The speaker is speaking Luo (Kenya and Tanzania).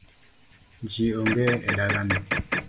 Ji onge e dalano